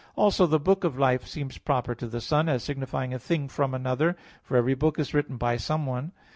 Also the "book of life" seems proper to the Son, as signifying "a thing from another"; for every book is written by someone.